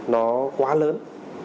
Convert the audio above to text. nó quá lớn